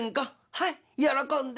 「はい喜んで。